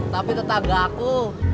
tapi tetangga aku